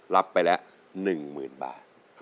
รับไปแหละ๑๐๐๐๐บาท